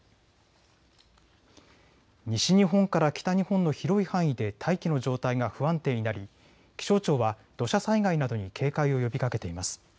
西日本から北日本の広い範囲で大気の状態が不安定になり気象庁は土砂災害などに警戒を呼びかけています。